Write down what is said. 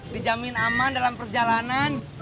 dijamin aman dalam perjalanan